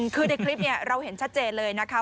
คือในคลิปเราเห็นชัดเจนเลยนะคะ